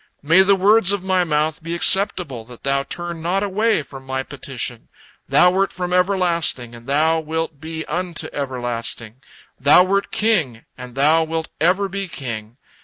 May the words of my mouth be acceptable, that Thou turn not away from my petition. Thou wert from everlasting, and Thou wilt be unto everlasting; Thou wert king, and Thou wilt ever be king.